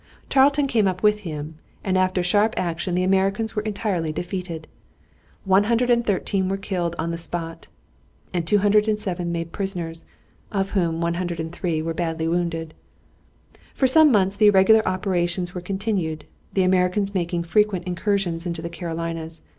Tarleton came up with him, and after a sharp action the Americans were entirely defeated. One hundred and thirteen were killed on the spot and 207 made prisoners, of whom 103 were badly wounded. For some months the irregular operations were continued, the Americans making frequent incursions into the Carolinas.